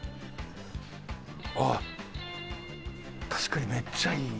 あっ確かにめっちゃいい。